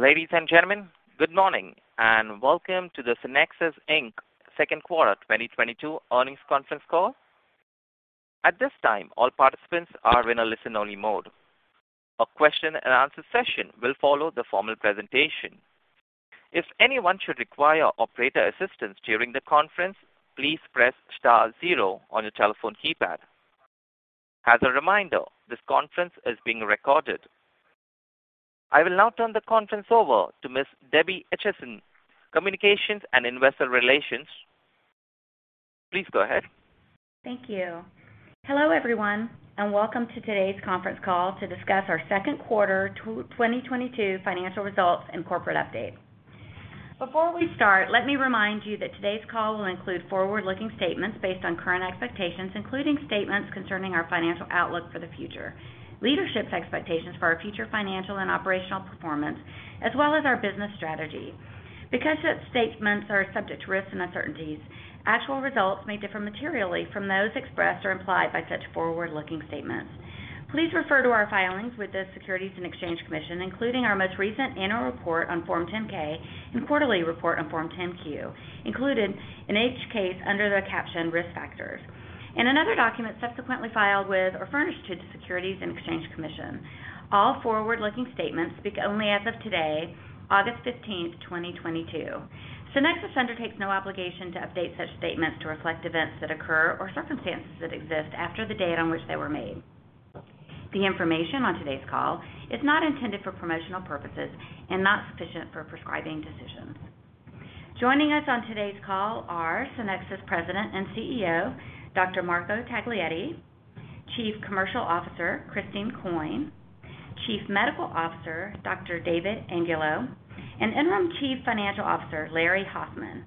Ladies and gentlemen, good morning, and welcome to the SCYNEXIS, Inc. 2nd quarter 2022 earnings conference call. At this time, all participants are in a listen-only mode. A question and answer session will follow the formal presentation. If anyone should require operator assistance during the conference, please press star zero on your telephone keypad. As a reminder, this conference is being recorded. I will now turn the conference over to Miss Debbie Hicherson, Communications and Investor Relations. Please go ahead. Thank you. Hello, everyone, and welcome to today's conference call to discuss our 2nd quarter 2022 financial results and corporate update. Before we start, let me remind you that today's call will include forward-looking statements based on current expectations, including statements concerning our financial outlook for the future, leadership's expectations for our future financial and operational performance, as well as our business strategy. Because such statements are subject to risks and uncertainties, actual results may differ materially from those expressed or implied by such forward-looking statements. Please refer to our filings with the Securities and Exchange Commission, including our most recent annual report on Form 10-K and quarterly report on Form 10-Q, included in each case under the caption Risk Factors, and another document subsequently filed with or furnished to the Securities and Exchange Commission. All forward-looking statements speak only as of today, August 15, 2022. SCYNEXIS undertakes no obligation to update such statements to reflect events that occur or circumstances that exist after the date on which they were made. The information on today's call is not intended for promotional purposes and not sufficient for prescribing decisions. Joining us on today's call are SCYNEXIS President and CEO, Dr. Marco Taglietti, Chief Commercial Officer, Christine Coyne, Chief Medical Officer, Dr. David Angulo, and Interim Chief Financial Officer, Larry Hoffman.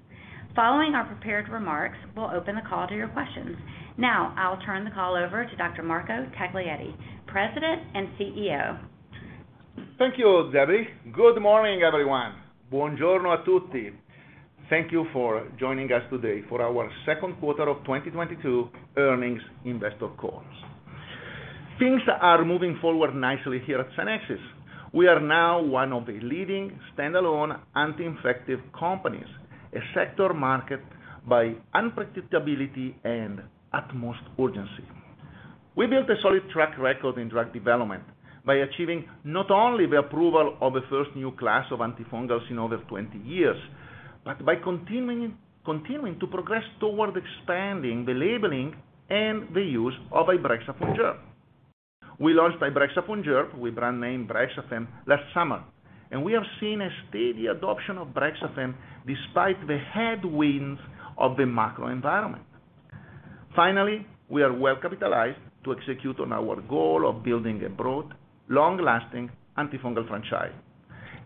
Following our prepared remarks, we'll open the call to your questions. Now I'll turn the call over to Dr. Marco Taglietti, President and CEO. Thank you, Debbie. Good morning, everyone. Buon giorno a tutti. Thank you for joining us today for our 2nd quarter of 2022 earnings investor call. Things are moving forward nicely here at SCYNEXIS. We are now one of the leading standalone anti-infective companies, a sector marked by unpredictability and utmost urgency. We built a solid track record in drug development by achieving not only the approval of the first new class of antifungals in over 20 years, but by continuing to progress toward expanding the labeling and the use of ibrexafungerp. We launched ibrexafungerp with brand name Brexafemme last summer, and we have seen a steady adoption of Brexafemme despite the headwinds of the macro environment. Finally, we are well-capitalized to execute on our goal of building a broad, long-lasting antifungal franchise,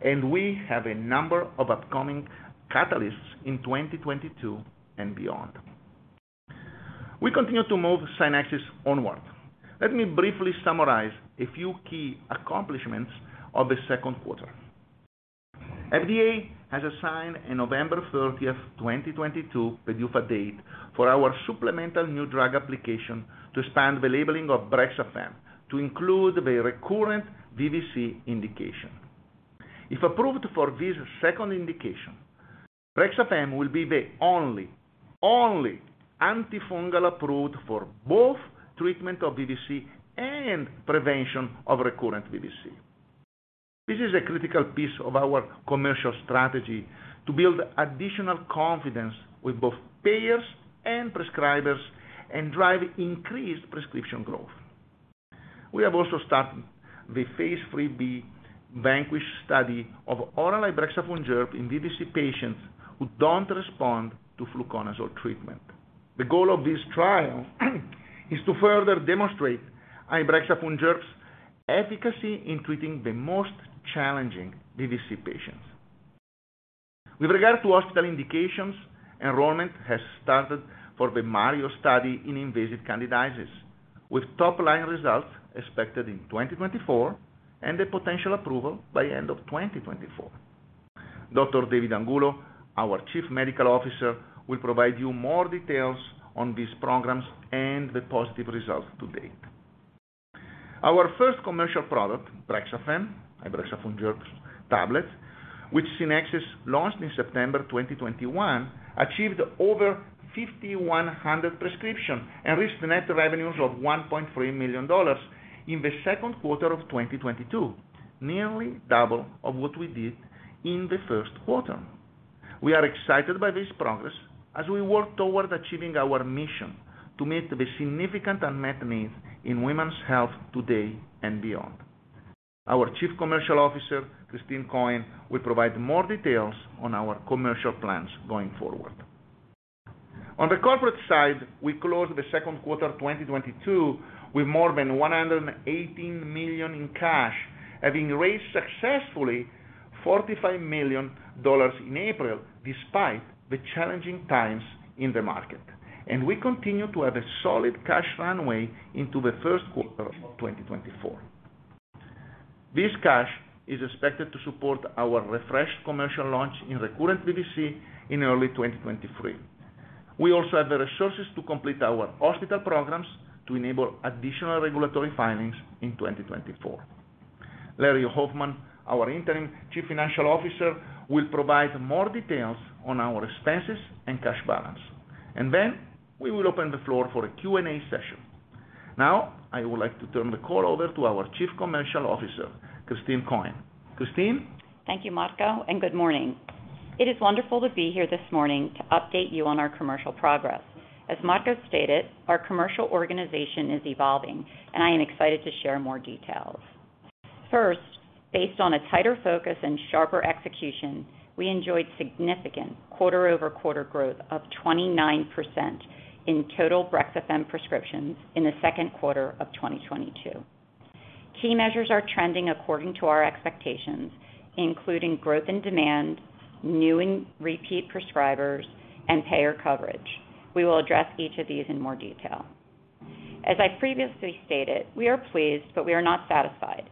and we have a number of upcoming catalysts in 2022 and beyond. We continue to move SCYNEXIS onward. Let me briefly summarize a few key accomplishments of the 2nd quarter. FDA has assigned a November thirtieth, 2022 PDUFA date for our supplemental new drug application to expand the labeling of Brexafemme to include the recurrent VVC indication. If approved for this second indication, Brexafemme will be the only antifungal approved for both treatment of VVC and prevention of recurrent VVC. This is a critical piece of our commercial strategy to build additional confidence with both payers and prescribers and drive increased prescription growth. We have also started the phase 3b VANQUISH study of oral ibrexafungerp in VVC patients who don't respond to fluconazole treatment. The goal of this trial is to further demonstrate ibrexafungerp's efficacy in treating the most challenging VVC patients. With regard to hospital indications, enrollment has started for the MARIO study in invasive candidiasis, with top-line results expected in 2024 and a potential approval by end of 2024. Dr. David Angulo, our Chief Medical Officer, will provide you more details on these programs and the positive results to date. Our first commercial product, Brexafemme ibrexafungerp tablet, which SCYNEXIS launched in September 2021, achieved over 5,100 prescriptions and reached net revenues of $1.3 million in the 2nd quarter of 2022, nearly double of what we did in the 1st quarter. We are excited by this progress as we work toward achieving our mission to meet the significant unmet needs in women's health today and beyond. Our Chief Commercial Officer, Christine Coyne, will provide more details on our commercial plans going forward. On the corporate side, we closed the 2nd quarter 2022 with more than $118 million in cash, having raised successfully $45 million in April despite the challenging times in the market. We continue to have a solid cash runway into the 1st quarter of 2024. This cash is expected to support our refreshed commercial launch in recurrent VVC in early 2023. We also have the resources to complete our hospital programs to enable additional regulatory filings in 2024. Larry Hoffman, our interim Chief Financial Officer, will provide more details on our expenses and cash balance. Then we will open the floor for a Q&A session. Now, I would like to turn the call over to our Chief Commercial Officer, Christine Coyne. Christine? Thank you, Marco, and good morning. It is wonderful to be here this morning to update you on our commercial progress. As Marco stated, our commercial organization is evolving, and I am excited to share more details. First, based on a tighter focus and sharper execution, we enjoyed significant quarter-over-quarter growth of 29% in total Brexafemme prescriptions in the 2nd quarter of 2022. Key measures are trending according to our expectations, including growth in demand, new and repeat prescribers, and payer coverage. We will address each of these in more detail. As I previously stated, we are pleased, but we are not satisfied.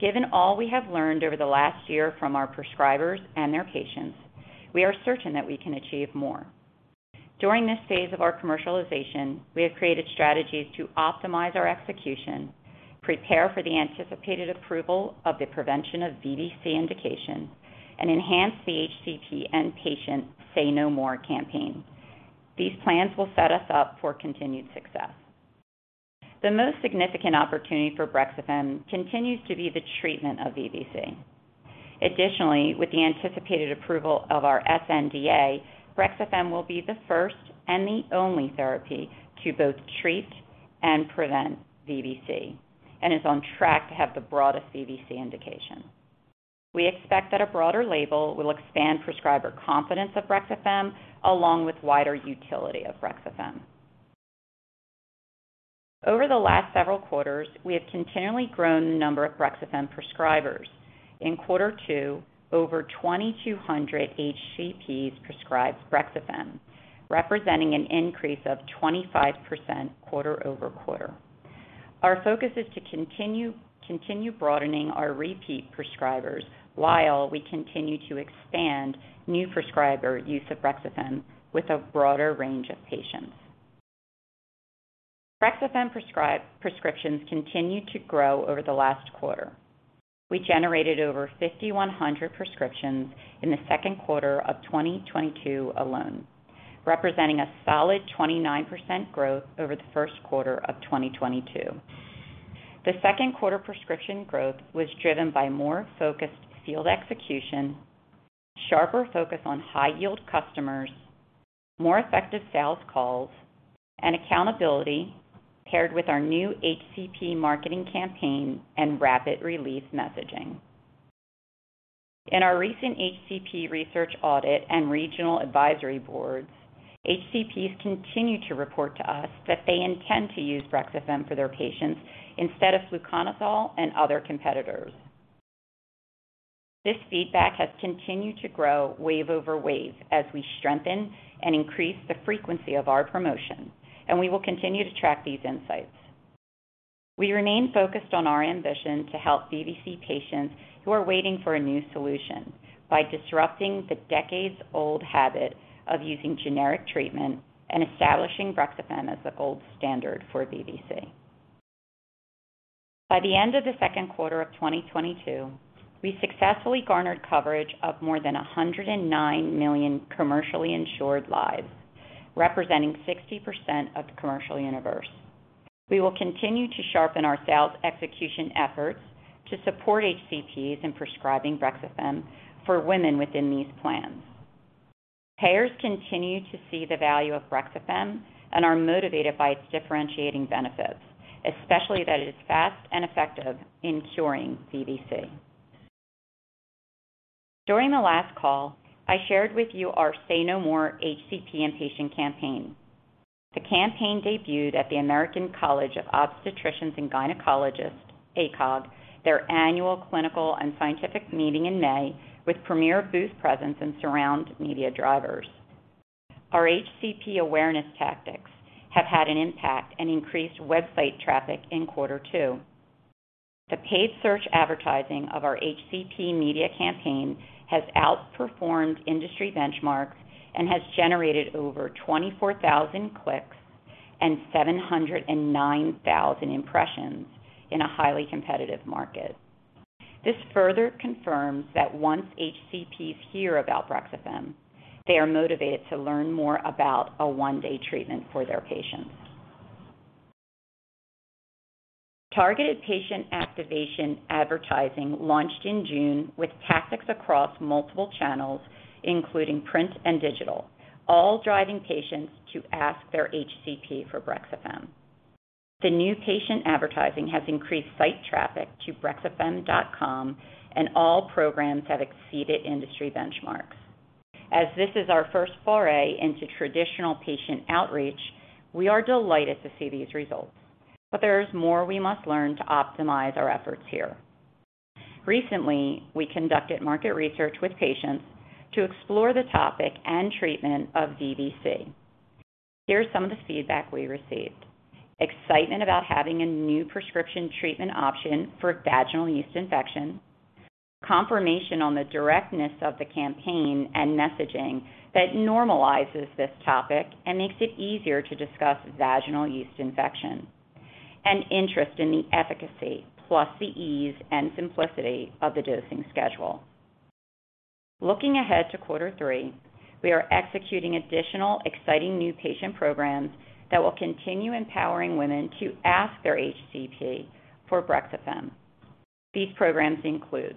Given all we have learned over the last year from our prescribers and their patients, we are certain that we can achieve more. During this phase of our commercialization, we have created strategies to optimize our execution, prepare for the anticipated approval of the prevention of VVC indication, and enhance the HCP and patient Say No More campaign. These plans will set us up for continued success. The most significant opportunity for Brexafemme continues to be the treatment of VVC. Additionally, with the anticipated approval of our sNDA, Brexafemme will be the first and the only therapy to both treat and prevent VVC, and is on track to have the broadest VVC indication. We expect that a broader label will expand prescriber confidence of Brexafemme along with wider utility of Brexafemme. Over the last several quarters, we have continually grown the number of Brexafemme prescribers. In quarter 2, over 2,200 HCPs prescribed Brexafemme, representing an increase of 25% quarter-over-quarter. Our focus is to continue broadening our repeat prescribers while we continue to expand new prescriber use of Brexafemme with a broader range of patients. Brexafemme prescriptions continued to grow over the last quarter. We generated over 5,100 prescriptions in the 2nd quarter of 2022 alone, representing a solid 29% growth over the 1st quarter of 2022. The 2nd quarter prescription growth was driven by more focused field execution, sharper focus on high-yield customers, more effective sales calls, and accountability paired with our new HCP marketing campaign and rapid relief messaging. In our recent HCP research audit and regional advisory boards, HCPs continue to report to us that they intend to use Brexafemme for their patients instead of fluconazole and other competitors. This feedback has continued to grow, wave over wave, as we strengthen and increase the frequency of our promotions, and we will continue to track these insights. We remain focused on our ambition to help VVC patients who are waiting for a new solution by disrupting the decades-old habit of using generic treatment and establishing Brexafemme as the gold standard for VVC. By the end of the 2nd quarter of 2022, we successfully garnered coverage of more than 109 million commercially insured lives, representing 60% of the commercial universe. We will continue to sharpen our sales execution efforts to support HCPs in prescribing Brexafemme for women within these plans. Payers continue to see the value of Brexafemme and are motivated by its differentiating benefits, especially that it is fast and effective in curing VVC. During the last call, I shared with you our Say No More HCP and patient campaign. The campaign debuted at the American College of Obstetricians and Gynecologists, ACOG, their annual clinical and scientific meeting in May with premier booth presence and surround media drivers. Our HCP awareness tactics have had an impact and increased website traffic in quarter two. The paid search advertising of our HCP media campaign has outperformed industry benchmarks and has generated over 24,000 clicks and 709,000 impressions in a highly competitive market. This further confirms that once HCPs hear about Brexafemme, they are motivated to learn more about a one-day treatment for their patients. Targeted patient activation advertising launched in June with tactics across multiple channels, including print and digital, all driving patients to ask their HCP for Brexafemme. The new patient advertising has increased site traffic to Brexafemme.com, and all programs have exceeded industry benchmarks. As this is our first foray into traditional patient outreach, we are delighted to see these results. There is more we must learn to optimize our efforts here. Recently, we conducted market research with patients to explore the topic and treatment of VVC. Here's some of the feedback we received. Excitement about having a new prescription treatment option for vaginal yeast infection. Confirmation on the directness of the campaign and messaging that normalizes this topic and makes it easier to discuss vaginal yeast infection, and interest in the efficacy, plus the ease and simplicity of the dosing schedule. Looking ahead to quarter three, we are executing additional exciting new patient programs that will continue empowering women to ask their HCP for Brexafemme. These programs include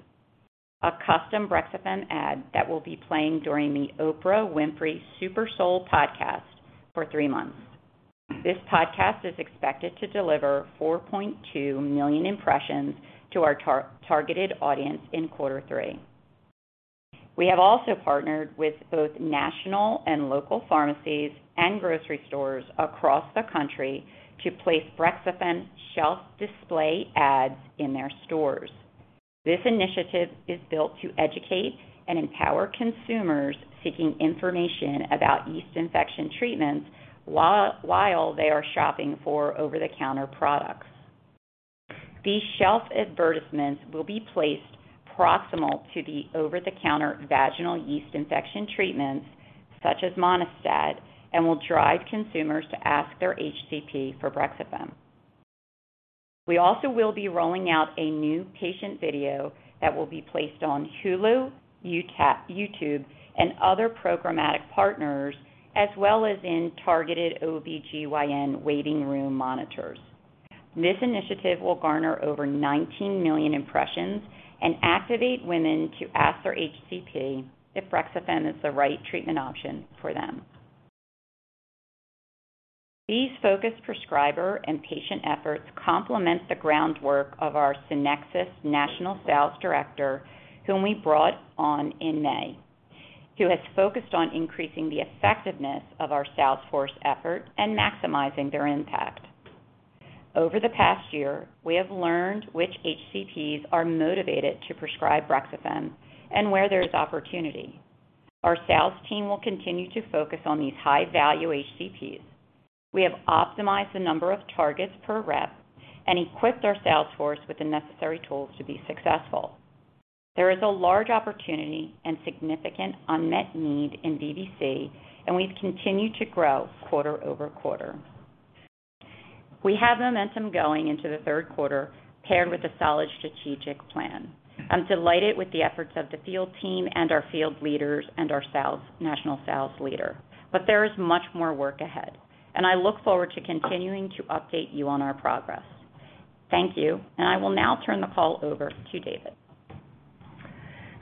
a custom Brexafemme ad that will be playing during the Oprah's Super Soul podcast for 3 months. This podcast is expected to deliver 4.2 million impressions to our targeted audience in quarter 3. We have also partnered with both national and local pharmacies and grocery stores across the country to place Brexafemme shelf display ads in their stores. This initiative is built to educate and empower consumers seeking information about yeast infection treatments while they are shopping for over-the-counter products. These shelf advertisements will be placed proximal to the over-the-counter vaginal yeast infection treatments such as Monistat and will drive consumers to ask their HCP for Brexafemme. We also will be rolling out a new patient video that will be placed on Hulu, YouTube and other programmatic partners as well as in targeted OBGYN waiting room monitors. This initiative will garner over 19 million impressions and activate women to ask their HCP if Brexafemme is the right treatment option for them. These focused prescriber and patient efforts complement the groundwork of our SCYNEXIS national sales director, whom we brought on in May, who has focused on increasing the effectiveness of our sales force effort and maximizing their impact. Over the past year, we have learned which HCPs are motivated to prescribe Brexafemme and where there's opportunity. Our sales team will continue to focus on these high-value HCPs. We have optimized the number of targets per rep and equipped our sales force with the necessary tools to be successful. There is a large opportunity and significant unmet need in VVC, and we've continued to grow quarter-over-quarter. We have momentum going into the 3rd quarter paired with a solid strategic plan. I'm delighted with the efforts of the field team and our field leaders and our sales national sales leader. There is much more work ahead, and I look forward to continuing to update you on our progress. Thank you, and I will now turn the call over to David.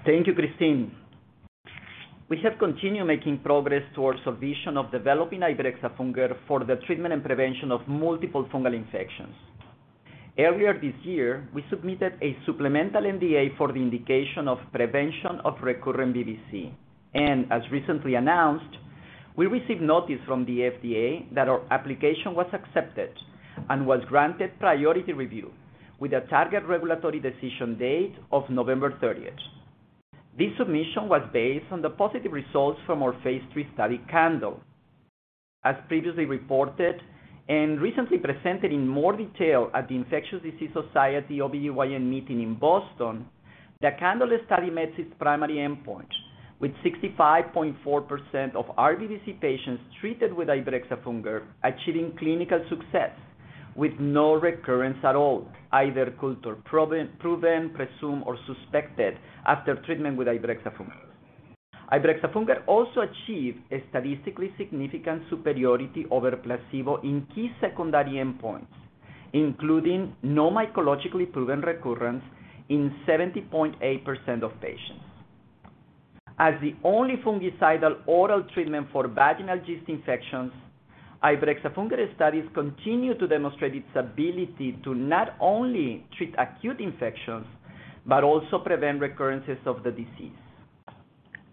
Thank you, Christine. We have continued making progress towards a vision of developing ibrexafungerp for the treatment and prevention of multiple fungal infections. Earlier this year, we submitted a supplemental NDA for the indication of prevention of recurrent VVC. As recently announced, we received notice from the FDA that our application was accepted and was granted priority review with a target regulatory decision date of November 30th. This submission was based on the positive results from our phase 3 study, CANDLE. As previously reported and recently presented in more detail at the Infectious Diseases Society for Obstetrics and Gynecology meeting in Boston, the CANDLE study met its primary endpoint, with 65.4% of RVVC patients treated with ibrexafungerp achieving clinical success with no recurrence at all, either culture proven, presumed, or suspected after treatment with ibrexafungerp. Ibrexafungerp also achieved a statistically significant superiority over placebo in key secondary endpoints, including no mycologically proven recurrence in 70.8% of patients. As the only fungicidal oral treatment for vaginal yeast infections, ibrexafungerp studies continue to demonstrate its ability to not only treat acute infections, but also prevent recurrences of the disease.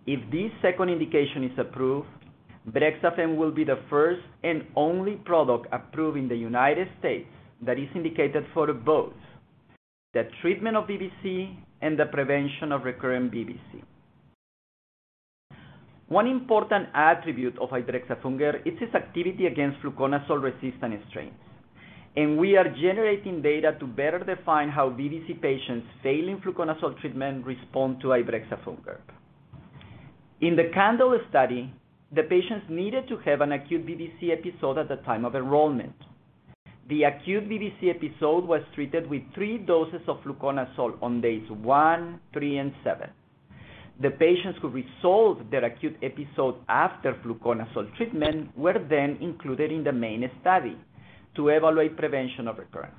If this second indication is approved, Brexafemme will be the first and only product approved in the United States that is indicated for both the treatment of VVC and the prevention of recurrent VVC. One important attribute of ibrexafungerp is its activity against fluconazole-resistant strains, and we are generating data to better define how VVC patients failing fluconazole treatment respond to ibrexafungerp. In the CANDLE study, the patients needed to have an acute VVC episode at the time of enrollment. The acute VVC episode was treated with 3 doses of fluconazole on days 1, 3, and 7. The patients who resolved their acute episode after fluconazole treatment were then included in the main study to evaluate prevention of recurrence.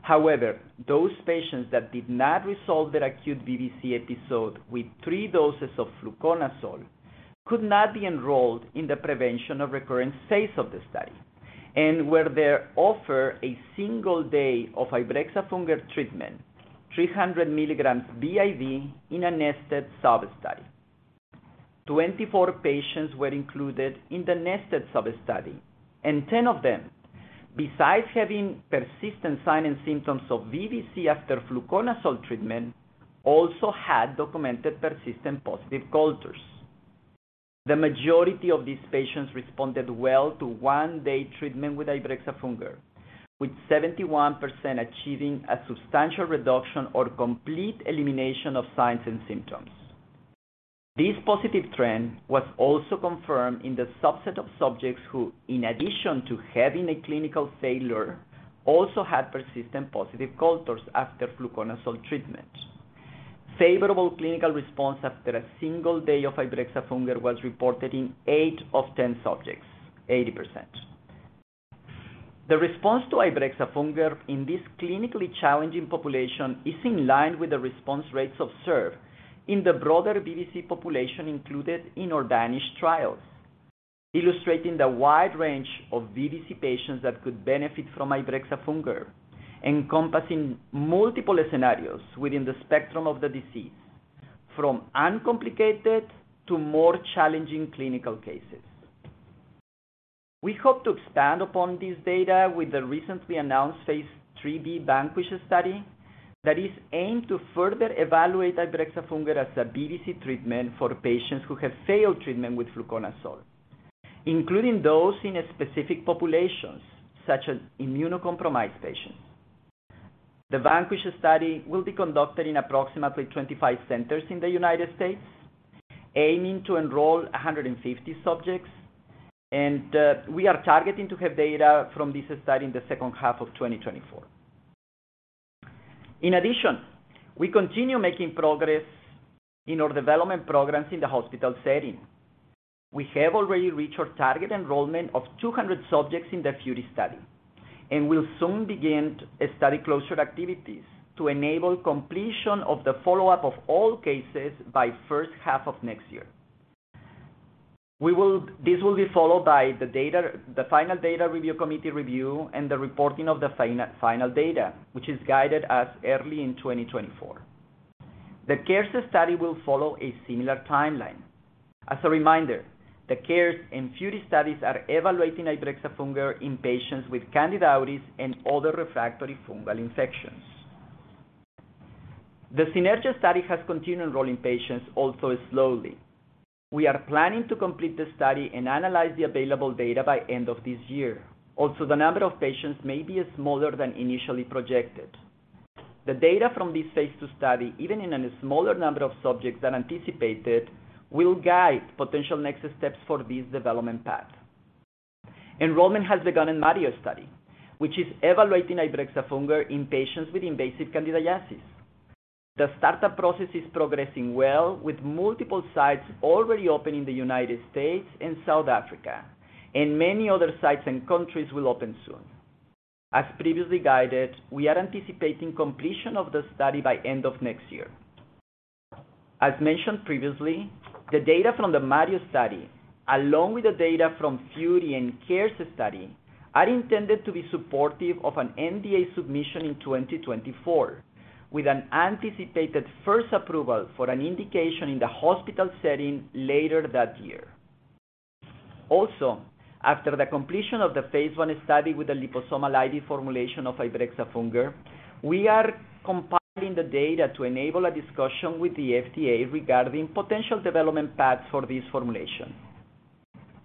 However, those patients that did not resolve their acute VVC episode with 3 doses of fluconazole could not be enrolled in the prevention of recurrence phase of the study and were then offered a single day of ibrexafungerp treatment, 300 mg BID in a nested sub-study. 24 patients were included in the nested sub-study, and 10 of them, besides having persistent signs and symptoms of VVC after fluconazole treatment, also had documented persistent positive cultures. The majority of these patients responded well to one day treatment with ibrexafungerp, with 71% achieving a substantial reduction or complete elimination of signs and symptoms. This positive trend was also confirmed in the subset of subjects who, in addition to having a clinical failure, also had persistent positive cultures after fluconazole treatment. Favorable clinical response after a single day of ibrexafungerp was reported in 8 of 10 subjects, 80%. The response to ibrexafungerp in this clinically challenging population is in line with the response rates observed in the broader VVC population included in our Danish trials, illustrating the wide range of VVC patients that could benefit from ibrexafungerp, encompassing multiple scenarios within the spectrum of the disease, from uncomplicated to more challenging clinical cases. We hope to expand upon this data with the recently announced Phase 3b VANQUISH study that is aimed to further evaluate ibrexafungerp as a VVC treatment for patients who have failed treatment with fluconazole, including those in specific populations such as immunocompromised patients. The VANQUISH study will be conducted in approximately 25 centers in the United States, aiming to enroll 150 subjects, and we are targeting to have data from this study in the second half of 2024. In addition, we continue making progress in our development programs in the hospital setting. We have already reached our target enrollment of 200 subjects in the FURI study and will soon begin study closure activities to enable completion of the follow up of all cases by first half of next year. This will be followed by the data, the final data review, committee review, and the reporting of the final data, which is guided as early in 2024. The CARES study will follow a similar timeline. As a reminder, the CARES and FURI studies are evaluating ibrexafungerp in patients with Candida auris and other refractory fungal infections. The SYNERGY study has continued enrolling patients also slowly. We are planning to complete the study and analyze the available data by end of this year. Also, the number of patients may be smaller than initially projected. The data from this phase 2 study, even in a smaller number of subjects than anticipated, will guide potential next steps for this development path. Enrollment has begun in MARIO study, which is evaluating ibrexafungerp in patients with invasive candidiasis. The startup process is progressing well with multiple sites already open in the United States and South Africa, and many other sites and countries will open soon. As previously guided, we are anticipating completion of the study by end of next year. As mentioned previously, the data from the MARIO study, along with the data from FURI and CARES study, are intended to be supportive of an NDA submission in 2024, with an anticipated first approval for an indication in the hospital setting later that year. Also, after the completion of the phase 1 study with the liposomal IV formulation of ibrexafungerp, we are compiling the data to enable a discussion with the FDA regarding potential development paths for this formulation.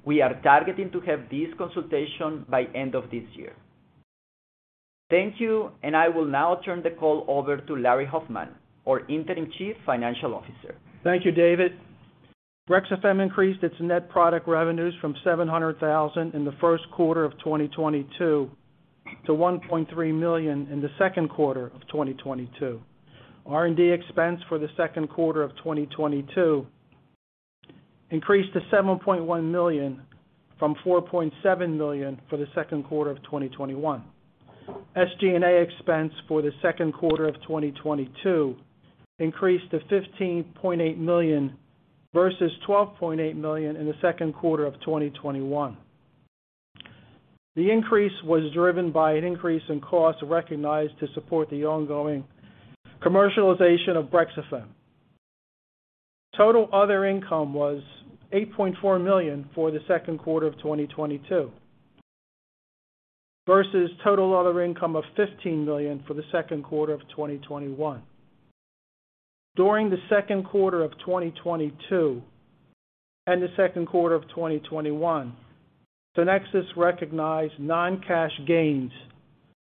We are targeting to have this consultation by end of this year. Thank you, and I will now turn the call over to Larry Hoffman, our Interim Chief Financial Officer. Thank you, David. Brexafemme increased its net product revenues from $700,000 in the 1st quarter of 2022 to $1.3 million in the 2nd quarter of 2022. R&D expense for the 2nd quarter of 2022 increased to $7.1 million from $4.7 million for the 2nd quarter of 2021. SG&A expense for the 2nd quarter of 2022 increased to $15.8 million versus $12.8 million in the 2nd quarter of 2021. The increase was driven by an increase in costs recognized to support the ongoing commercialization of Brexafemme. Total other income was $8.4 million for the 2nd quarter of 2022 versus total other income of $15 million for the 2nd quarter of 2021. During the 2nd quarter of 2022 and the 2nd quarter of 2021, SCYNEXIS recognized non-cash gains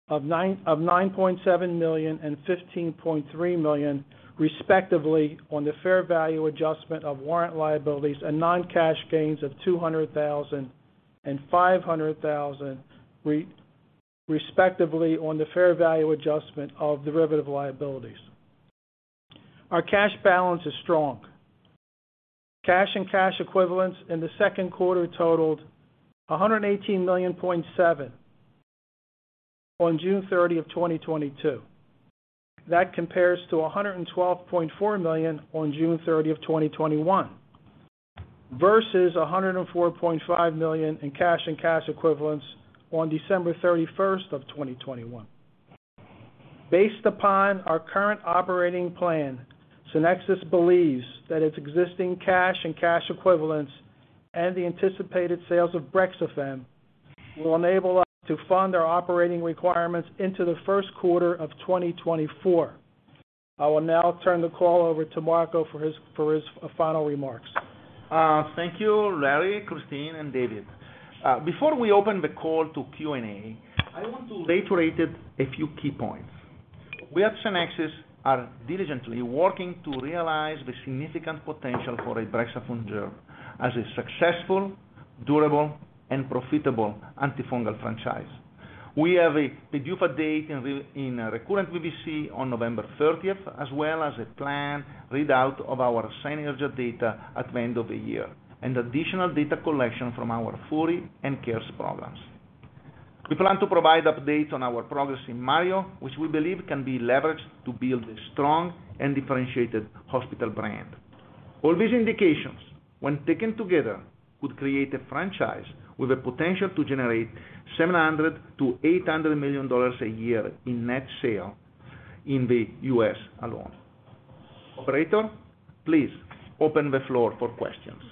of $9.7 million and $15.3 million respectively, on the fair value adjustment of warrant liabilities and non-cash gains of $200,000 and $500,000 respectively on the fair value adjustment of derivative liabilities. Our cash balance is strong. Cash and cash equivalents in the 2nd quarter totaled $118.7 million on June 30, 2022. That compares to $112.4 million on June 30, 2021 versus $104.5 million in cash and cash equivalents on December 31, 2021. Based upon our current operating plan, SCYNEXIS believes that its existing cash and cash equivalents and the anticipated sales of Brexafemme will enable us to fund our operating requirements into the 1st quarter of 2024. I will now turn the call over to Marco for his final remarks. Thank you, Larry, Christine, and David. Before we open the call to Q&A, I want to reiterate a few key points. We at SCYNEXIS are diligently working to realize the significant potential for ibrexafungerp as a successful, durable, and profitable antifungal franchise. We have a PDUFA date in recurrent VVC on November thirtieth, as well as a planned readout of our SYNERGY data at the end of the year, and additional data collection from our FURI and CARES programs. We plan to provide updates on our progress in MARIO, which we believe can be leveraged to build a strong and differentiated hospital brand. All these indications, when taken together, would create a franchise with the potential to generate $700 million-$800 million a year in net sales in the U.S. alone. Operator, please open the floor for questions.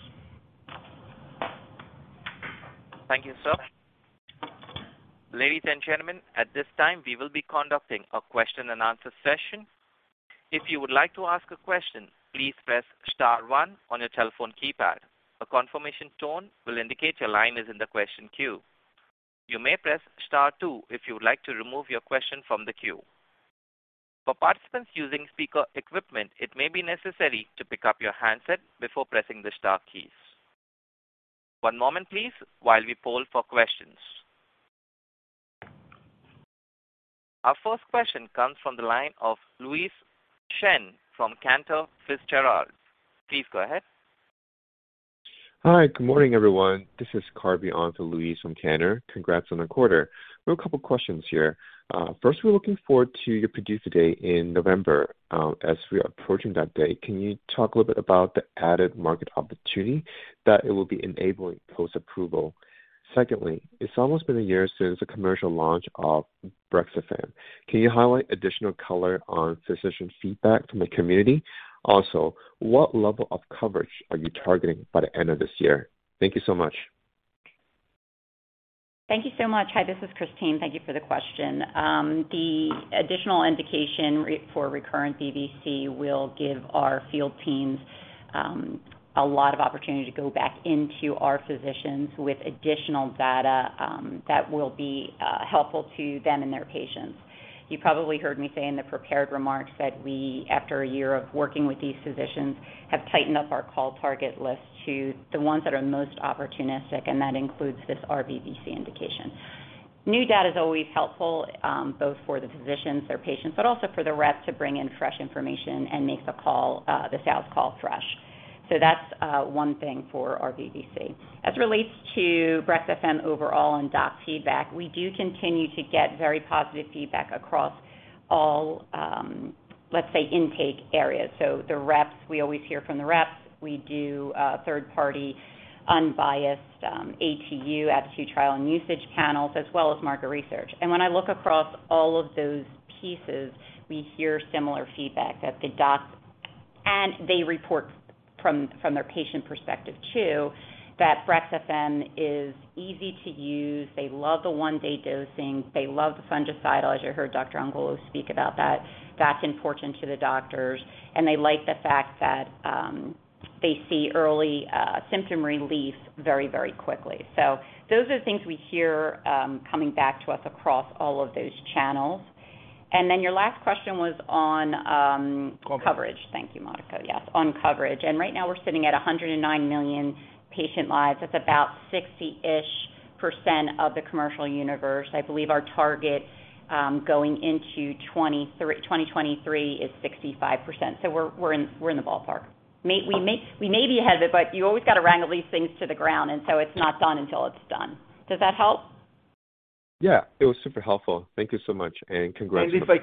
Thank you, sir. Ladies and gentlemen, at this time, we will be conducting a question and answer session. If you would like to ask a question, please press star one on your telephone keypad. A confirmation tone will indicate your line is in the question queue. You may press star two if you would like to remove your question from the queue. For participants using speaker equipment, it may be necessary to pick up your handset before pressing the star keys. One moment, please, while we poll for questions. Our first question comes from the line of Louise Chen from Cantor Fitzgerald. Please go ahead. Hi. Good morning, everyone. This is Carvey on to Louise from Cantor. Congrats on the quarter. We have a couple questions here. First, we're looking forward to your PDUFA date in November. As we are approaching that day, can you talk a little bit about the added market opportunity that it will be enabling post-approval? Secondly, it's almost been a year since the commercial launch of Brexafemme. Can you highlight additional color on physician feedback from the community? Also, what level of coverage are you targeting by the end of this year? Thank you so much. Thank you so much. Hi, this is Christine. Thank you for the question. The additional indication for recurrent VVC will give our field teams a lot of opportunity to go back into our physicians with additional data that will be helpful to them and their patients. You probably heard me say in the prepared remarks that we, after a year of working with these physicians, have tightened up our call target list to the ones that are most opportunistic, and that includes this RVVC indication. New data is always helpful both for the physicians, their patients, but also for the rep to bring in fresh information and make the call, the sales call fresh. That's one thing for RVVC. As it relates to Brexafemme overall and doc feedback, we do continue to get very positive feedback across all, let's say, intake areas. The reps, we always hear from the reps. We do third-party, unbiased ATU, Attitude Trial and Usage panels, as well as market research. When I look across all of those pieces, we hear similar feedback that the docs report from their patient perspective too, that Brexafemme is easy to use. They love the one-day dosing. They love the fungicidal, as you heard Dr. Angulo speak about that. That's important to the doctors, and they like the fact that they see early symptom relief very, very quickly. Those are things we hear coming back to us across all of those channels. Then your last question was on. Coverage. Coverage. Thank you, Marco. Yes, on coverage. Right now we're sitting at 109 million patient lives. That's about 60%-ish of the commercial universe. I believe our target going into 2023 is 65%, so we're in the ballpark. Okay. We may be ahead, but you always gotta wrangle these things to the ground, and so it's not done until it's done. Does that help? Yeah. It was super helpful. Thank you so much, and congrats on. If I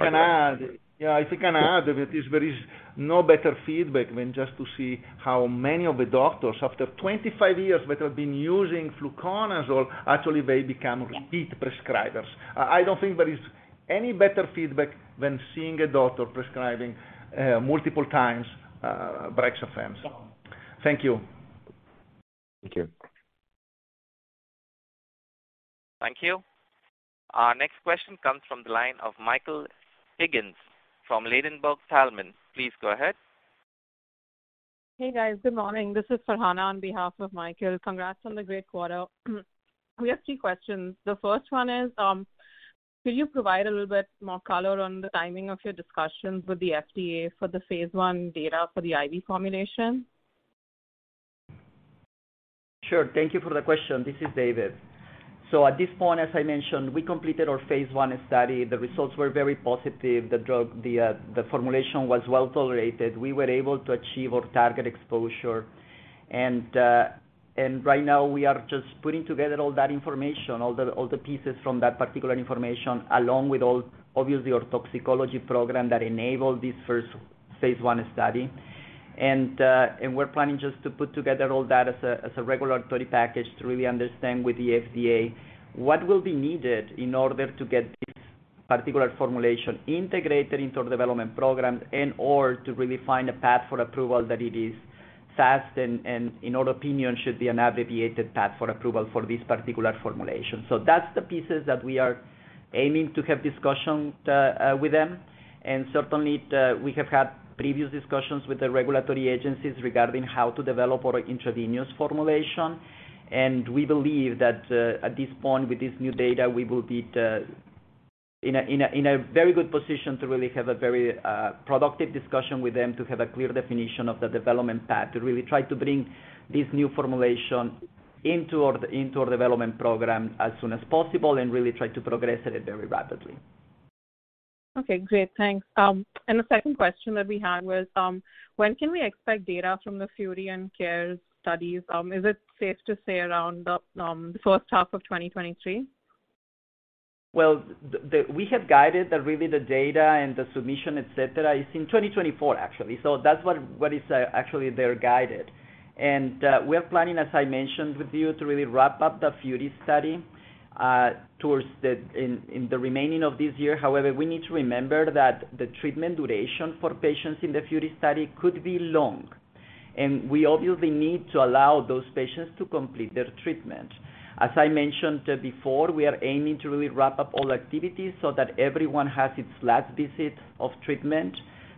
can add, there is no better feedback than just to see how many of the doctors, after 25 years that have been using fluconazole, actually they become- Yeah. Repeat prescribers. I don't think there is any better feedback than seeing a doctor prescribing multiple times Brexafemme. Yeah. Thank you. Thank you. Thank you. Our next question comes from the line of Michael Higgins from Ladenburg Thalmann. Please go ahead. Hey, guys. Good morning. This is Farhana on behalf of Michael. Congrats on the great quarter. We have three questions. The first one is, could you provide a little bit more color on the timing of your discussions with the FDA for the phase one data for the IV formulation? Sure. Thank you for the question. This is David. At this point, as I mentioned, we completed our phase 1 study. The results were very positive. The drug, the formulation was well tolerated. We were able to achieve our target exposure. Right now we are just putting together all that information, all the pieces from that particular information, along with all, obviously, our toxicology program that enabled this first phase 1 study. We're planning just to put together all that as a regulatory package to really understand with the FDA what will be needed in order to get this particular formulation integrated into our development programs and/or to really find a path for approval that it is fast and in our opinion, should be an abbreviated path for approval for this particular formulation. That's the pieces that we are aiming to have discussions with them. Certainly, we have had previous discussions with the regulatory agencies regarding how to develop our intravenous formulation. We believe that at this point, with this new data, we will be in a very good position to really have a very productive discussion with them to have a clear definition of the development path, to really try to bring this new formulation into our development program as soon as possible and really try to progress it very rapidly. Okay, great. Thanks. The second question that we had was, when can we expect data from the FURI and CARES studies? Is it safe to say around the first half of 2023? We have guided that really the data and the submission, et cetera, is in 2024, actually. That's what is actually there guided. We are planning, as I mentioned with you, to really wrap up the FURI study in the remaining of this year. However, we need to remember that the treatment duration for patients in the FURI study could be long, and we obviously need to allow those patients to complete their treatment. As I mentioned before, we are aiming to really wrap up all activities so that everyone has its last visit of treatment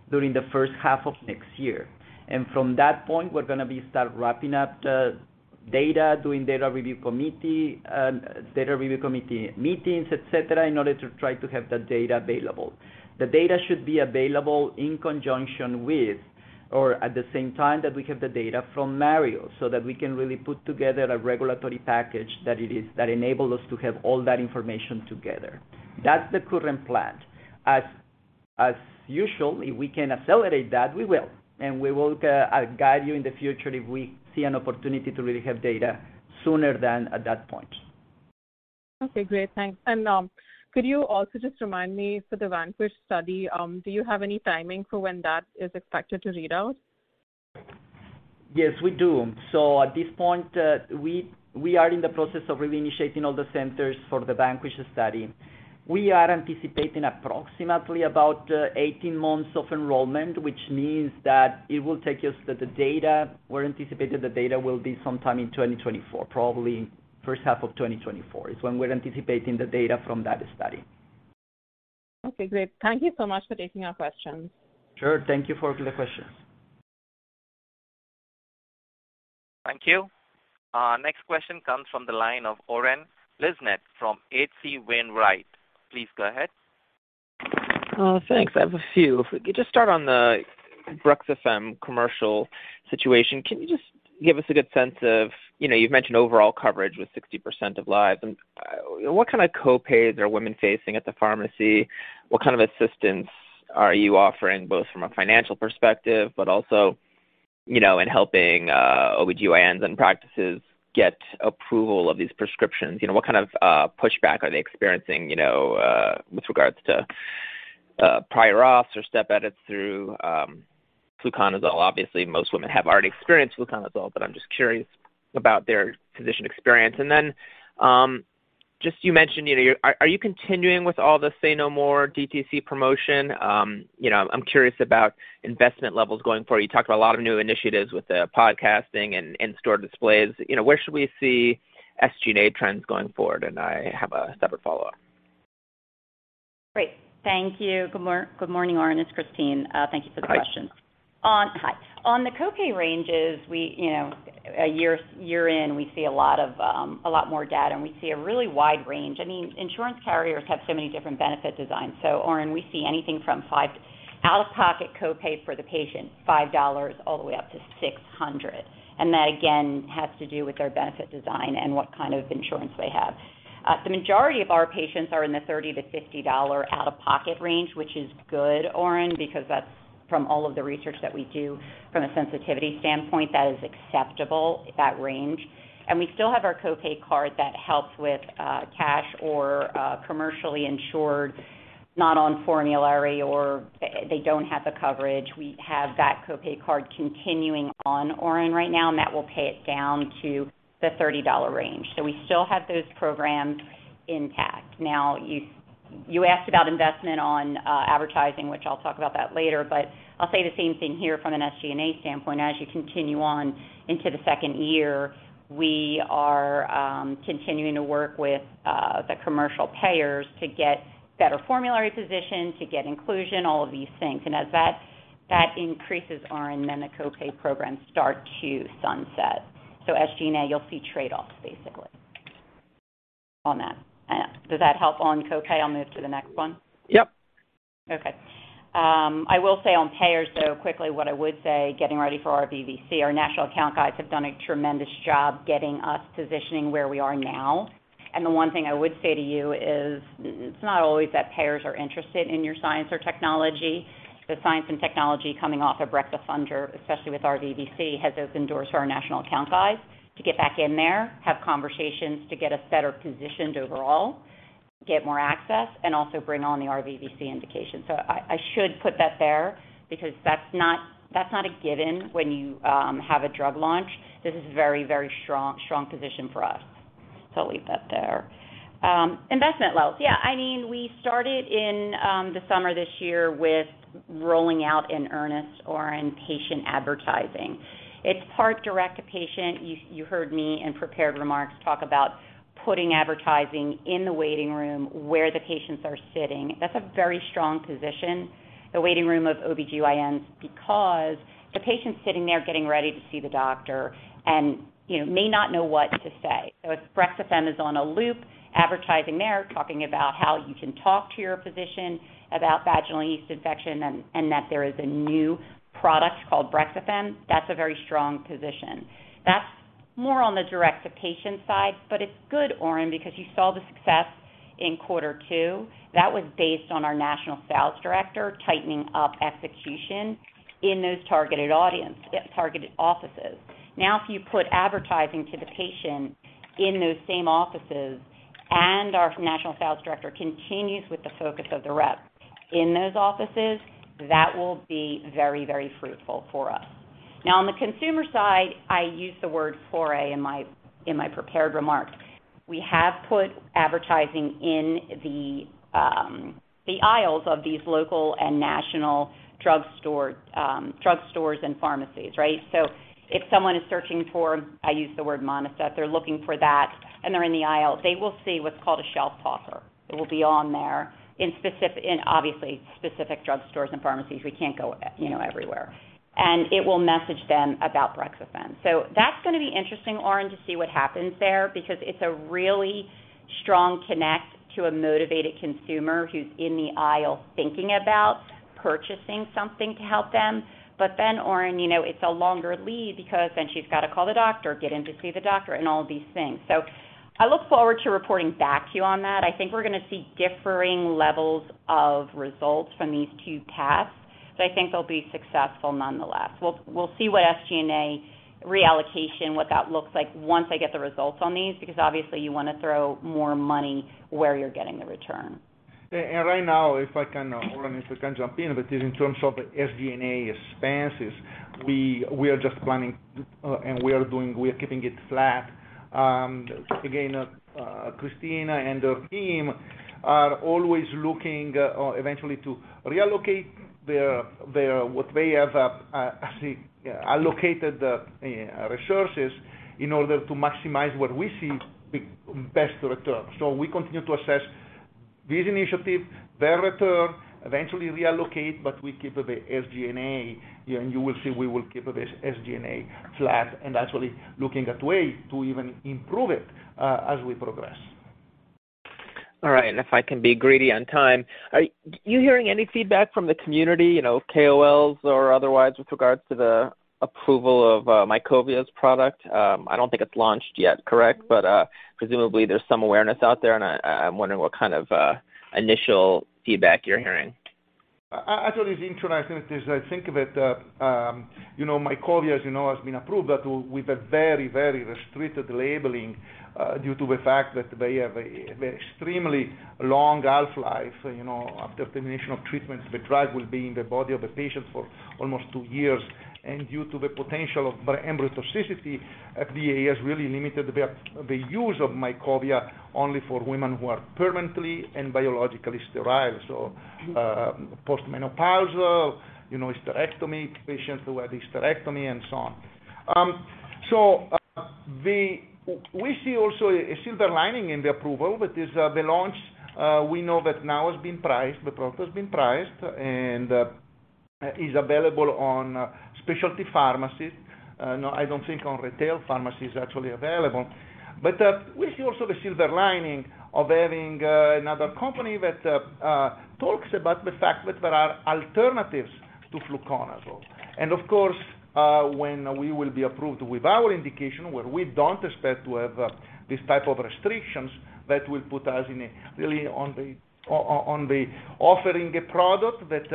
during the first half of next year. From that point, we're gonna be start wrapping up the data, doing data review committee meetings, et cetera, in order to try to have the data available. The data should be available in conjunction with or at the same time that we have the data from MARIO, so that we can really put together a regulatory package that enable us to have all that information together. That's the current plan. As usual, if we can accelerate that, we will. We will guide you in the future if we see an opportunity to really have data sooner than at that point. Okay, great. Thanks. Could you also just remind me for the VANQUISH study, do you have any timing for when that is expected to read out? Yes, we do. At this point, we are in the process of reinitiating all the centers for the VANQUISH study. We are anticipating approximately about 18 months of enrollment, which means that the data we're anticipating will be sometime in 2024, probably first half of 2024 is when we're anticipating the data from that study. Okay, great. Thank you so much for taking our questions. Sure. Thank you for the questions. Thank you. Next question comes from the line of Oren Livnat from H.C. Wainwright. Please go ahead. Thanks. I have a few. If we could just start on the Brexafemme commercial situation, can you just give us a good sense of, you know, you've mentioned overall coverage with 60% of lives. What kind of copays are women facing at the pharmacy? What kind of assistance are you offering, both from a financial perspective, but also, you know, in helping OBGYNs and practices get approval of these prescriptions? You know, what kind of pushback are they experiencing, you know, with regards to prior auths or step edits through fluconazole? Obviously, most women have already experienced fluconazole, but I'm just curious about their physician experience. Just you mentioned, you know, are you continuing with all the Say No More DTC promotion? You know, I'm curious about investment levels going forward. You talked about a lot of new initiatives with the podcasting and in-store displays. You know, where should we see SG&A trends going forward? I have a separate follow-up. Great. Thank you. Good morning, Oren. It's Christine. Thank you for the questions. Hi. On the copay ranges, we a year in, we see a lot more data, and we see a really wide range. I mean, insurance carriers have so many different benefit designs. Oren, we see anything from $5 out-of-pocket copay for the patient all the way up to $600. That, again, has to do with their benefit design and what kind of insurance they have. The majority of our patients are in the $30-$50 out-of-pocket range, which is good, Oren, because that's from all of the research that we do from a sensitivity standpoint, that is acceptable, that range. We still have our copay card that helps with cash or commercially insured, not on formulary or they don't have the coverage. We have that copay card continuing on, Oren, right now, and that will pay it down to the $30 range. We still have those programs intact. Now, you asked about investment on advertising, which I'll talk about that later, but I'll say the same thing here from an SG&A standpoint. As you continue on into the second year, we are continuing to work with the commercial payers to get better formulary position, to get inclusion, all of these things. As that increases, Oren, then the copay programs start to sunset. SG&A, you'll see trade-offs basically on that. Does that help on copay? I'll move to the next one. Yep. Okay. I will say on payers, though, quickly what I would say, getting ready for RVVC, our national account guys have done a tremendous job getting us positioning where we are now. The one thing I would say to you is it's not always that payers are interested in your science or technology. The science and technology coming off of Brexafemme, especially with RVVC, has opened doors to our national account guys to get back in there, have conversations to get us better positioned overall, get more access, and also bring on the RVVC indication. I should put that there because that's not a given when you have a drug launch. This is a very strong position for us. Leave that there. Investment levels. Yeah, I mean, we started in the summer this year with rolling out in earnest our inpatient advertising. It's part direct-to-patient. You heard me in prepared remarks talk about putting advertising in the waiting room where the patients are sitting. That's a very strong position, the waiting room of OBGYNs, because the patient's sitting there getting ready to see the doctor and, you know, may not know what to say. So if Brexafemme is on a loop advertising there, talking about how you can talk to your physician about vaginal yeast infection and that there is a new product called Brexafemme, that's a very strong position. That's more on the direct-to-patient side, but it's good, Oren, because you saw the success in quarter two. That was based on our national sales director tightening up execution in those targeted audience, targeted offices. Now, if you put advertising to the patient in those same offices, and our national sales director continues with the focus of the rep in those offices, that will be very, very fruitful for us. Now, on the consumer side, I used the word "foray" in my prepared remarks. We have put advertising in the aisles of these local and national drug store, drugstores and pharmacies, right? So if someone is searching for, I use the word Monistat, they're looking for that, and they're in the aisle, they will see what's called a shelf talker. It will be on there in obviously specific drugstores and pharmacies. We can't go, you know, everywhere. It will message them about Brexafemme. That's gonna be interesting, Oren, to see what happens there because it's a really strong connect to a motivated consumer who's in the aisle thinking about purchasing something to help them. Then, Oren, you know, it's a longer lead because then she's gotta call the doctor, get in to see the doctor and all of these things. I look forward to reporting back to you on that. I think we're gonna see differing levels of results from these two tests, but I think they'll be successful nonetheless. We'll see what SG&A reallocation, what that looks like once I get the results on these, because obviously you wanna throw more money where you're getting the return. Right now, if I can, Oren, jump in, that is in terms of SG&A expenses, we are just planning and we are keeping it flat. Again, Christine and her team are always looking eventually to reallocate their what they have allocated resources in order to maximize what we see be best return. We continue to assess this initiative, their return, eventually reallocate, but we keep the SG&A, and you will see we will keep this SG&A flat and actually looking at ways to even improve it, as we progress. All right. If I can be greedy on time, are you hearing any feedback from the community, you know, KOLs or otherwise with regards to the approval of Mycovia's product? I don't think it's launched yet, correct? Presumably there's some awareness out there, and I'm wondering what kind of initial feedback you're hearing. Actually, the intro, I think that, you know, Mycovia, as you know, has been approved, but with a very restricted labeling, due to the fact that they have an extremely long half-life. You know, after termination of treatment, the drug will be in the body of the patient for almost two years. Due to the potential of embryotoxicity, FDA has really limited the use of Mycovia only for women who are permanently and biologically sterile. Postmenopausal, you know, hysterectomy, patients who had hysterectomy and so on. We see also a silver lining in the approval, which is the launch, we know that now has been priced, the product has been priced and is available on specialty pharmacies. No, I don't think on retail pharmacy is actually available. We see also the silver lining of having another company that talks about the fact that there are alternatives to fluconazole. Of course, when we will be approved with our indication, where we don't expect to have this type of restrictions, that will put us in a really on the offering a product that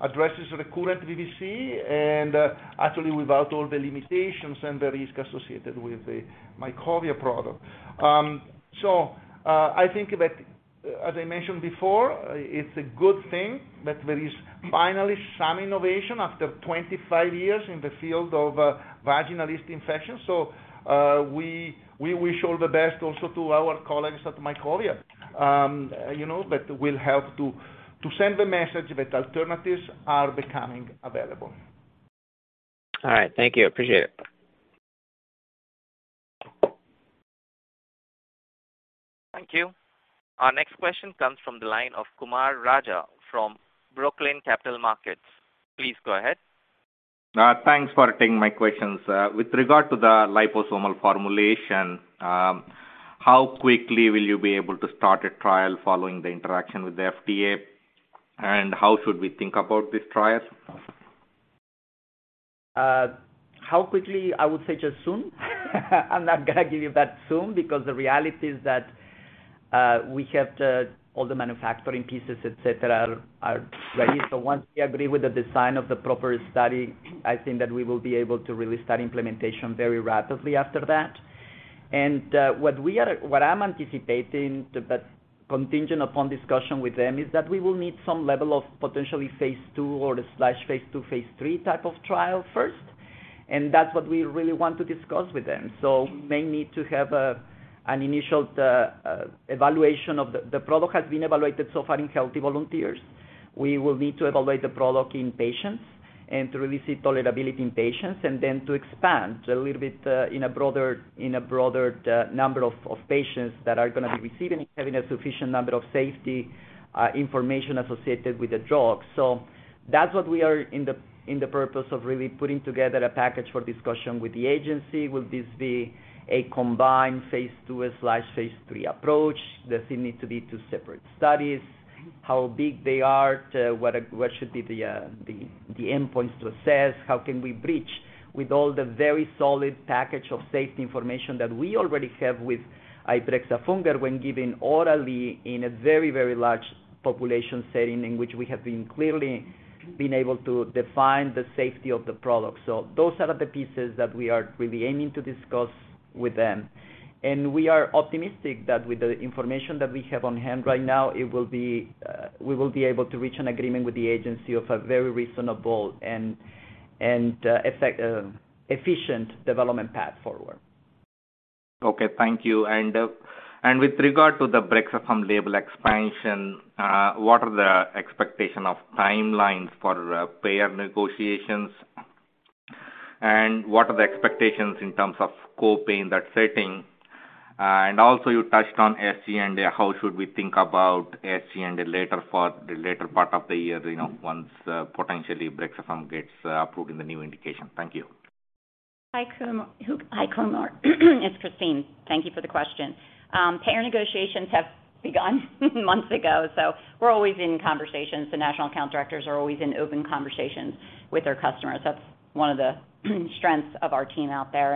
addresses the current VVC and actually without all the limitations and the risk associated with the Mycovia product. I think that, as I mentioned before, it's a good thing that there is finally some innovation after 25 years in the field of vaginal yeast infection. We wish all the best also to our colleagues at Mycovia, you know, that will help to send the message that alternatives are becoming available. All right. Thank you. Appreciate it. Thank you. Our next question comes from the line of Kumar Raja from Brookline Capital Markets. Please go ahead. Thanks for taking my questions. With regard to the liposomal formulation, how quickly will you be able to start a trial following the interaction with the FDA? How should we think about these trials? How quickly? I would say just soon. I'm not gonna give you that soon because the reality is that we have all the manufacturing pieces, et cetera, are ready. Once we agree with the design of the proper study, I think that we will be able to really start implementation very rapidly after that. What I'm anticipating, but contingent upon discussion with them, is that we will need some level of potentially phase two or slash phase two, phase three type of trial first. That's what we really want to discuss with them. We may need to have an initial evaluation of the product. The product has been evaluated so far in healthy volunteers. We will need to evaluate the product in patients and to really see tolerability in patients and then to expand a little bit in a broader number of patients that are gonna be receiving, having a sufficient number of safety information associated with the drug. That's what we are in the purpose of really putting together a package for discussion with the agency. Will this be a combined phase two/phase three approach? Does it need to be two separate studies? How big they are? What should be the endpoints to assess? How can we bridge with all the very solid package of safety information that we already have with ibrexafungerp when given orally in a very, very large population setting in which we have clearly been able to define the safety of the product. Those are the pieces that we are really aiming to discuss with them. We are optimistic that with the information that we have on hand right now, it will be, we will be able to reach an agreement with the agency of a very reasonable and efficient development path forward. Okay. Thank you. With regard to the Brexafemme label expansion, what are the expectation of timelines for payer negotiations? What are the expectations in terms of copay in that setting? You touched on SG&A. How should we think about SG&A in the later part of the year, you know, once potentially Brexafemme gets approved in the new indication? Thank you. Hi, Kumar. It's Christine. Thank you for the question. Payer negotiations have begun months ago, so we're always in conversations. The national account directors are always in open conversations with our customers. That's one of the strengths of our team out there.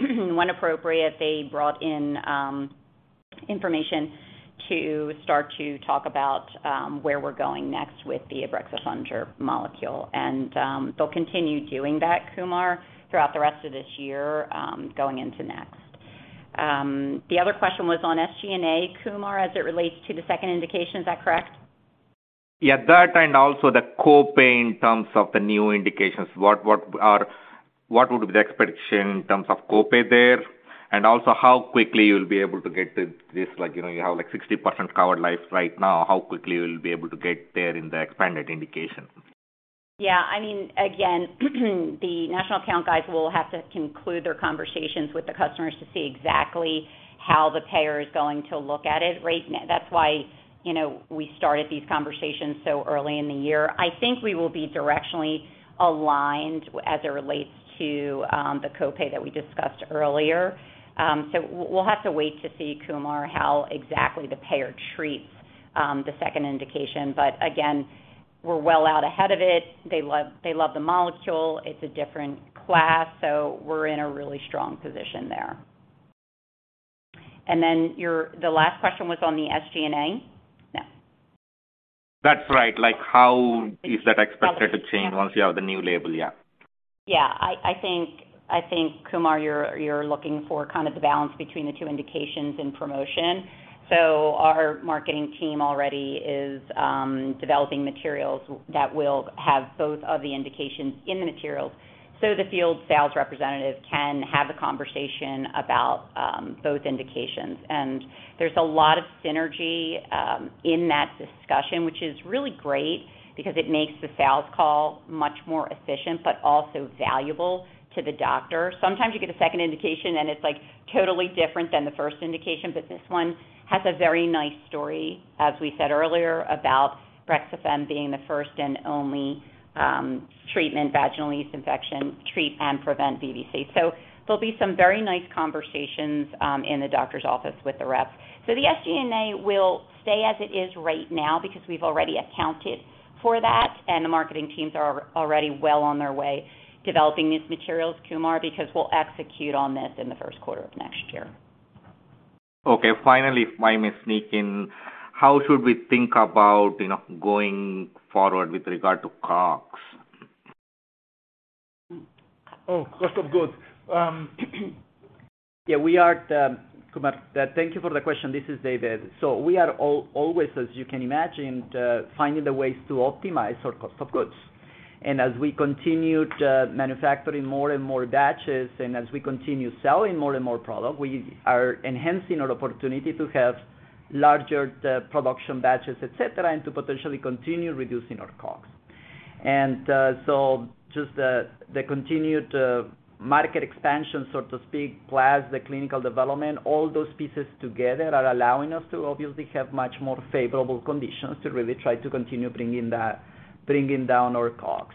When appropriate, they brought in information to start to talk about where we're going next with the ibrexafungerp molecule. They'll continue doing that, Kumar, throughout the rest of this year, going into next. The other question was on SG&A, Kumar, as it relates to the second indication, is that correct? Yeah, that and also the copay in terms of the new indications. What would be the expectation in terms of copay there? And also how quickly you'll be able to get to this? Like, you know, you have like 60% covered lives right now. How quickly you'll be able to get there in the expanded indication? Yeah, I mean, again, the national account guys will have to conclude their conversations with the customers to see exactly how the payer is going to look at it. That's why, you know, we started these conversations so early in the year. I think we will be directionally aligned as it relates to the copay that we discussed earlier. So we'll have to wait to see, Kumar, how exactly the payer treats the second indication. But again, we're well out ahead of it. They love the molecule. It's a different class, so we're in a really strong position there. And then the last question was on the SG&A? Yeah. That's right. Like, how is that expected to change once you have the new label? Yeah. Yeah. I think, Kumar, you're looking for kind of the balance between the two indications in promotion. Our marketing team already is developing materials that will have both of the indications in the materials, so the field sales representative can have a conversation about both indications. There's a lot of synergy in that discussion, which is really great because it makes the sales call much more efficient but also valuable to the doctor. Sometimes you get a second indication and it's like totally different than the first indication, but this one has a very nice story, as we said earlier, about Brexafemme being the first and only treatment, vaginal yeast infection, treat and prevent RVVC. There'll be some very nice conversations in the doctor's office with the rep. The SG&A will stay as it is right now because we've already accounted for that, and the marketing teams are already well on their way developing these materials, Kumar, because we'll execute on this in the 1st quarter of next year. Okay. Finally, if I may sneak in. How should we think about, you know, going forward with regard to COGS? Oh, cost of goods. Kumar, thank you for the question. This is David. We are always, as you can imagine, finding the ways to optimize our cost of goods. As we continue to manufacture in more and more batches, and as we continue selling more and more product, we are enhancing our opportunity to have larger production batches, et cetera, and to potentially continue reducing our COGS. Just the continued market expansion, so to speak, plus the clinical development, all those pieces together are allowing us to obviously have much more favorable conditions to really try to continue bringing down our COGS.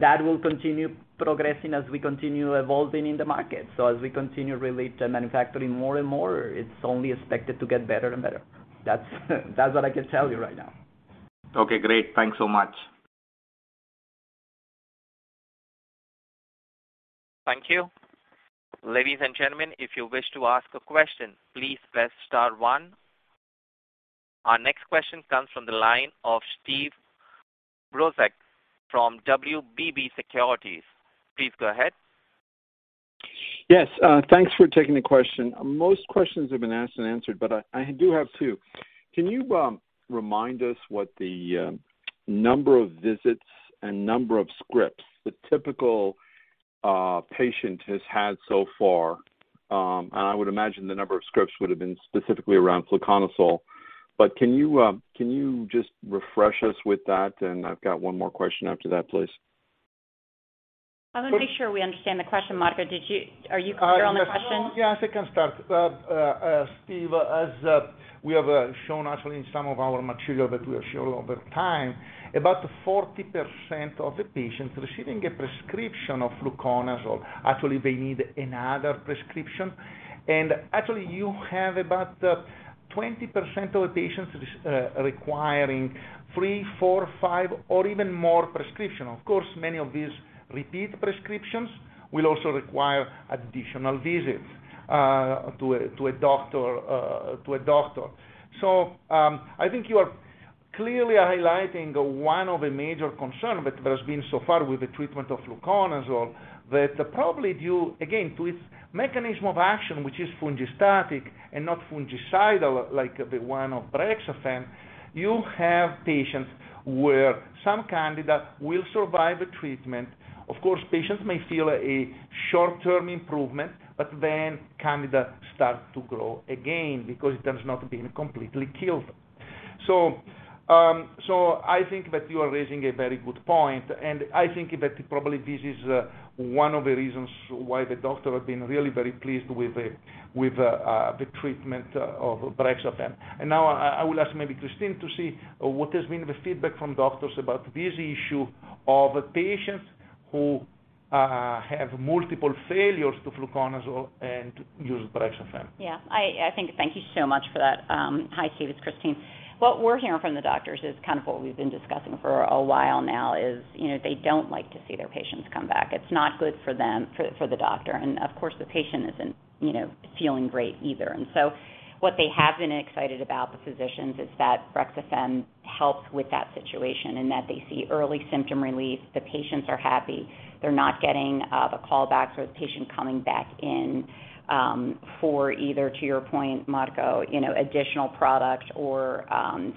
That will continue progressing as we continue evolving in the market. As we continue really to manufacturing more and more, it's only expected to get better and better. That's what I can tell you right now. Okay, great. Thanks so much. Thank you. Ladies and gentlemen, if you wish to ask a question, please press star one. Our next question comes from the line of Steve Brozak from WBB Securities. Please go ahead. Yes, thanks for taking the question. Most questions have been asked and answered, but I do have two. Can you remind us what the number of visits and number of scripts the typical patient has had so far, and I would imagine the number of scripts would have been specifically around fluconazole. But can you just refresh us with that? I've got one more question after that, please. I wanna make sure we understand the question. Marco, are you clear on the question? Yes. Yes, I can start. Steve, as we have shown actually in some of our material that we have shown over time, about 40% of the patients receiving a prescription of fluconazole, actually they need another prescription. Actually, you have about 20% of the patients requiring three, four, five or even more prescription. Of course, many of these repeat prescriptions will also require additional visits to a doctor. I think you are clearly highlighting one of a major concern that there has been so far with the treatment of fluconazole, that are probably due, again, to its mechanism of action, which is fungistatic and not fungicidal like the one of Brexafemme. You have patients where some Candida will survive a treatment. Of course, patients may feel a short-term improvement, but then Candida start to grow again because it has not been completely killed. I think that you are raising a very good point, and I think that probably this is one of the reasons why the doctor have been really very pleased with the treatment of Brexafemme. Now I will ask maybe Christine to see what has been the feedback from doctors about this issue of patients who have multiple failures to fluconazole and use Brexafemme. Yeah. I think, thank you so much for that. Hi, Steve, it's Christine. What we're hearing from the doctors is kind of what we've been discussing for a while now is, you know, they don't like to see their patients come back. It's not good for them, for the doctor. Of course, the patient isn't, you know, feeling great either. What they have been excited about, the physicians, is that Brexafemme helped with that situation and that they see early symptom relief. The patients are happy. They're not getting the callbacks or the patient coming back in for either, to your point, Marco, you know, additional products or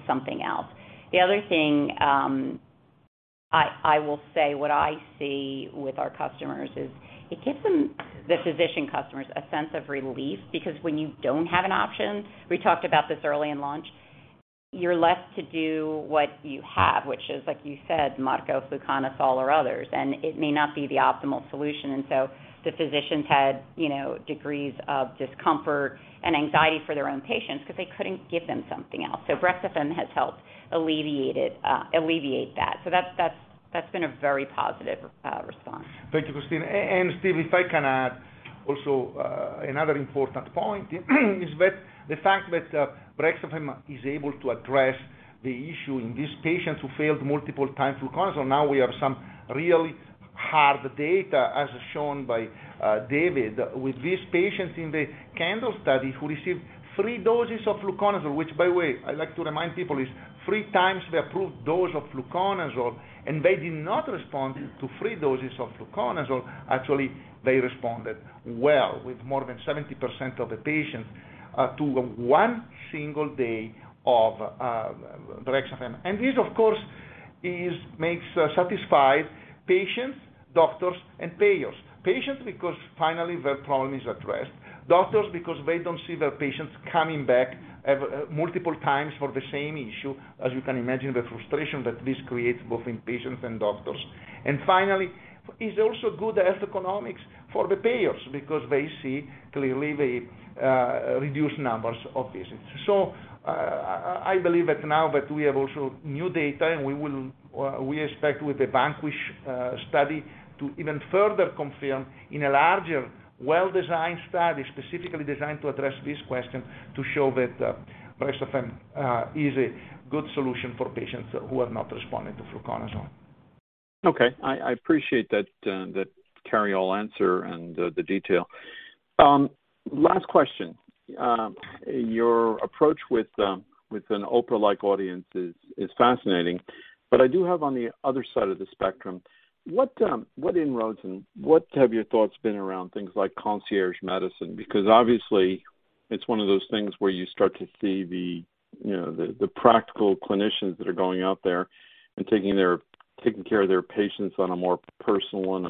something else. The other thing, I will say what I see with our customers is it gives them, the physician customers, a sense of relief because when you don't have an option, we talked about this early in launch, you're left to do what you have, which is, like you said, Marco, fluconazole or others, and it may not be the optimal solution. The physicians had, you know, degrees of discomfort and anxiety for their own patients 'cause they couldn't give them something else. Brexafemme has helped alleviate that. That's been a very positive response. Thank you, Christine. Steve, if I can add also, another important point is that the fact that Brexafemme is able to address the issue in these patients who failed multiple times fluconazole. Now we have some really hard data, as shown by David, with these patients in the CANDLE study who received three doses of fluconazole, which by the way, I like to remind people, is three times the approved dose of fluconazole, and they did not respond to three doses of fluconazole. Actually, they responded well with more than 70% of the patients to one single day of Brexafemme. This, of course, it makes satisfied patients, doctors and payers. Patients because finally their problem is addressed, doctors because they don't see their patients coming back multiple times for the same issue. As you can imagine, the frustration that this creates both in patients and doctors. Finally, it's also good economics for the payers because they see clearly the reduced numbers of visits. I believe that now that we have also new data and we will, we expect with the VANQUISH study to even further confirm in a larger, well-designed study, specifically designed to address this question, to show that Brexafemme is a good solution for patients who have not responded to fluconazole. Okay. I appreciate that thorough answer and the detail. Last question. Your approach with an Oprah-like audience is fascinating, but I do have on the other side of the spectrum, what inroads and what have your thoughts been around things like concierge medicine? Because obviously it's one of those things where you start to see the you know the practical clinicians that are going out there and taking care of their patients on a more personal and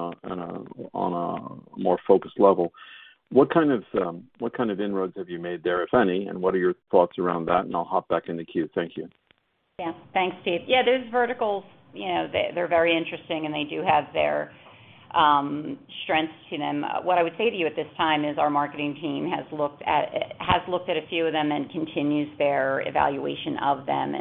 on a more focused level. What kind of inroads have you made there, if any, and what are your thoughts around that? I'll hop back in the queue. Thank you. Yeah. Thanks, Steve. Yeah, those verticals, you know, they're very interesting, and they do have their strengths to them. What I would say to you at this time is our marketing team has looked at a few of them and continues their evaluation of them.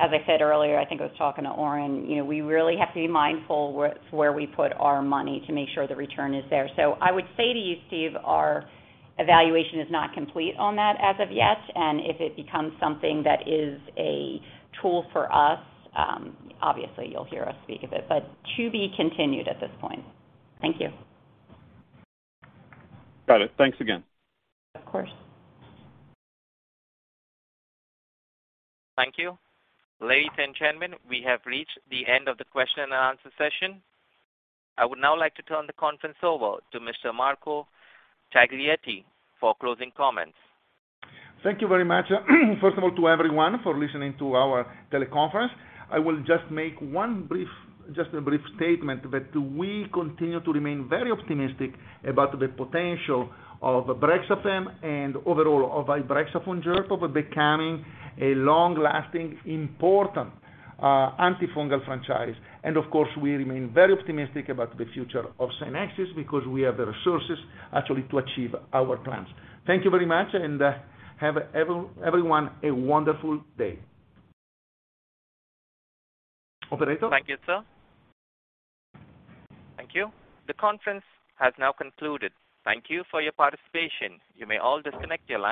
As I said earlier, I think I was talking to Oren, you know, we really have to be mindful where we put our money to make sure the return is there. I would say to you, Steve, our evaluation is not complete on that as of yet, and if it becomes something that is a tool for us, obviously you'll hear us speak of it, but to be continued at this point. Thank you. Got it. Thanks again. Of course. Thank you. Ladies and gentlemen, we have reached the end of the question and answer session. I would now like to turn the conference over to Mr. Marco Taglietti for closing comments. Thank you very much, first of all, to everyone for listening to our teleconference. I will just make one brief statement that we continue to remain very optimistic about the potential of Brexafemme and overall of ibrexafungerp for becoming a long-lasting, important, antifungal franchise. Of course, we remain very optimistic about the future of SCYNEXIS because we have the resources actually to achieve our plans. Thank you very much, and have everyone a wonderful day. Operator? Thank you, sir. Thank you. The conference has now concluded. Thank you for your participation. You may all disconnect your lines.